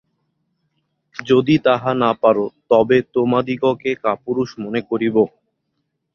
যদি তাহা না পার, তবে তোমাদিগকে কাপুরুষ মনে করিব।